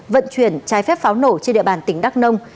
vận chuyển trái phép pháo nổ trên địa bàn tỉnh đắk nông